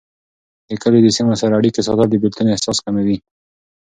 د کلي د سیمو سره اړيکې ساتل، د بیلتون احساس کموي.